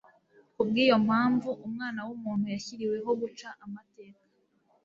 ku bw’iyo mpamvu, Umwana w’umuntu yashyiriweho guca amateka